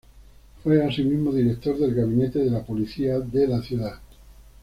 Fue asimismo director del gabinete de la policía de la ciudad.